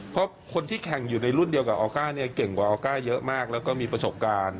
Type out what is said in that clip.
เพราะคนที่แข่งอยู่ในรุ่นเดียวกับออก้าเนี่ยเก่งกว่าออก้าเยอะมากแล้วก็มีประสบการณ์